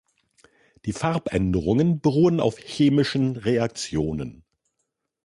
Die Farbänderungen beruhen auf chemischen Reaktionen.